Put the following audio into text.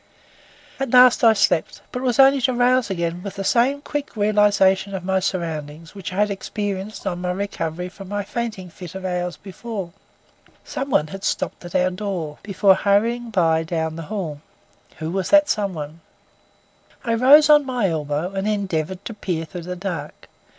At last I slept, but it was only to rouse again with the same quick realisation of my surroundings, which I had experienced on my recovery from my fainting fit of hours before. Someone had stopped at our door before hurrying by down the hall. Who was that someone? I rose on my elbow, and endeavoured to peer through the dark.